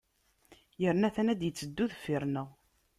Yerna a-t-an ad d-itteddu deffir-nneɣ.